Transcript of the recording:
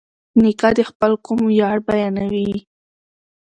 نیکه د خپل قوم ویاړ بیانوي.